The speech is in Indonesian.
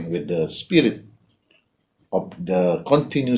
kekuatan dan kekuatan yang berkaitan dengan